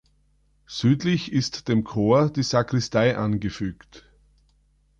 Südlich ist dem Chor die Sakristei angefügt.